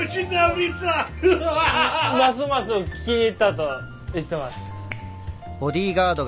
ますます気に入ったと言ってます。